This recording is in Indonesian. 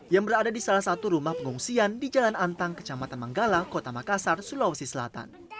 yang berada di salah satu rumah pengungsian di jalan antang kecamatan manggala kota makassar sulawesi selatan